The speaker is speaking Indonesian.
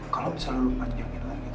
kalau misalnya lu panjangin lagi